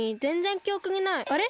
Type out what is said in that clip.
あれ？